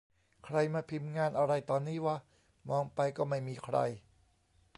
ใครมาพิมพ์งานอะไรตอนนี้วะ มองไป ก็ไม่มีใคร